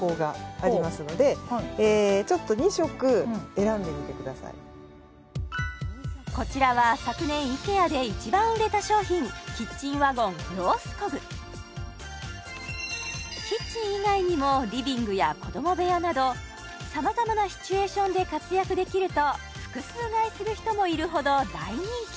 うんはいほおはいこちらは昨年イケアで一番売れた商品キッチンワゴンロースコグキッチン以外にもリビングや子供部屋などさまざまなシチュエーションで活躍できると複数買いする人もいるほど大人気